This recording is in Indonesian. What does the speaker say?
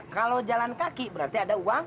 kalau jalan kaki berarti ada uang